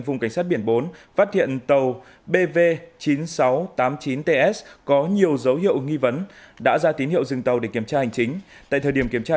vùng cảnh sát biển bốn phát hiện tàu bv chín nghìn sáu trăm tám mươi chín ts có nhiều dấu hiệu nghiệp